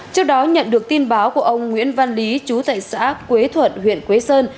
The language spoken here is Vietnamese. trước đó nhận được tin báo của ông nguyễn văn lý chú tại xã quế thuận huyện quế sơn